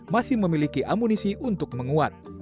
masih memiliki amunisi untuk menguat